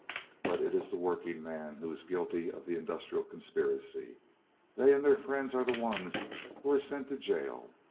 But it is the working man who is guilty of the industrial conspiracy. They and their friends are the ones who are sent to jail.